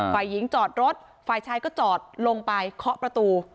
ฝ่ายหญิงจอดรถฝ่ายชายก็จอดลงไปเคาะประตู